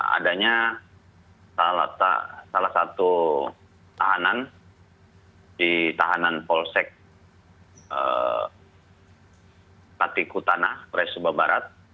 adanya salah satu tahanan di tahanan polsek matikutanah polres sumba barat